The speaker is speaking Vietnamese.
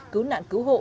cứu nạn cứu hộ